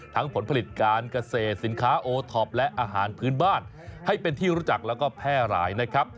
ผลผลิตการเกษตรสินค้าโอท็อปและอาหารพื้นบ้านให้เป็นที่รู้จักแล้วก็แพร่หลายนะครับ